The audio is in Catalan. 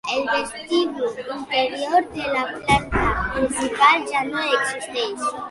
El vestíbul interior de la planta principal ja no existeix.